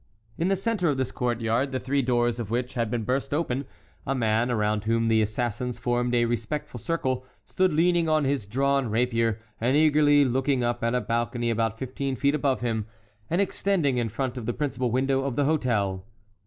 In the centre of this court yard, the three doors of which had been burst open, a man, around whom the assassins formed a respectful circle, stood leaning on his drawn rapier, and eagerly looking up at a balcony about fifteen feet above him, and extending in front of the principal window of the hôtel.